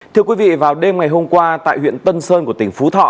thưa quý vị vào đêm ngày hôm qua tại huyện tân sơn của tỉnh phú thọ